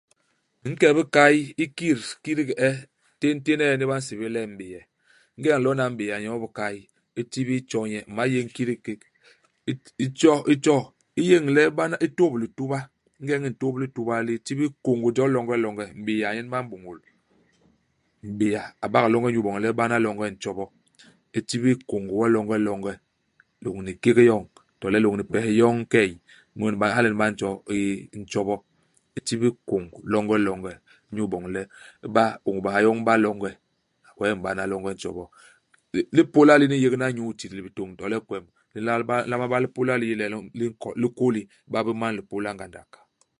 U nke i bikay, u kit kidik i e, téntén i e ini ba nsébél le m'béa. Ingéda u nlona m'béa nyoo i bikay, u tibil tjo nye, u ma yéñ kidik i kék. U tj u tjo. U yéñ le u ba u tôp lituba. Ingeñ u ntôp i lituba li, u tibil kông jo longelonge. M'béa nyen ba m'bôñôl. M'béa. A bak longe inyu iboñ le u bana longe i ntjobo. U tibil kông wo longelonge, lôñni kék yoñ, to le lôñni pes yoñ i key. Mu nyen hala nyen ba ntjo nn ntjobo. U tibil kông longelonge, inyu iboñ le i ba ôngbaha yoñ i ba longe. Wee u m'bana longe i ntjobo. Euh ilipôla lini u n'yék hana inyu itidil bitôñ to le kwem, li nlal ba li nlama ba lipôla li yé le li li nko li nkôli ; iba bé man lipôla ngandak.